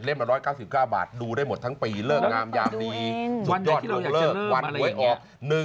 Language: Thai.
เล่ม๑๙๙บาทดูได้หมดทั้งปีเลิกงามยามสีจุดยอดเฬาเริก